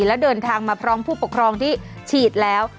แล้วเดินทางมาพร้อมผู้ปกครองที่ฉีดแล้ว